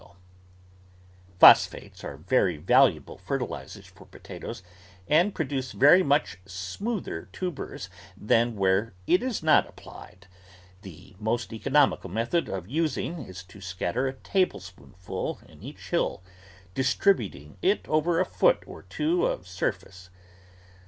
THE VEGETABLE GARDEN Phosphates are very valuable fertilisers for po tatoes and produce very much smoother tubers than where it is not applied. The most economical method of using is to scatter a tablespoonful in each hill, distributing it over a foot or two of sur face.